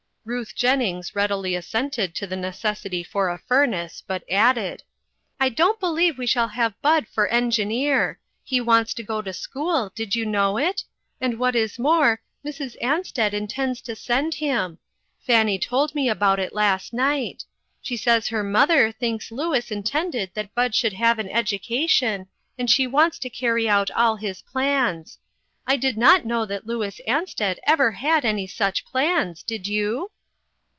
*' Ruth Jennings readily assented to the nec essity for a furnace, but added : 422 INTERRUPTED. "I don't believe we shall have Bud for engineer. He wants to go to school, did you know it ? And what is more, Mrs. Ansted intends to send him. Fanny told me about it last night. She says her mother thinks Louis intended that Bud should have an education, and she wants to carry out all his plans. I did not know that Louis Ansted ever had any such plans, did you